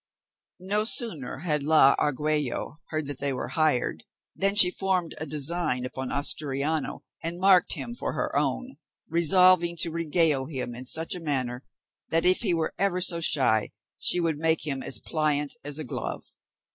No sooner had la Argüello heard that they were hired, than she formed a design upon Asturiano, and marked him for her own, resolving to regale him in such a manner, that, if he was ever so shy, she would make him as pliant as a glove.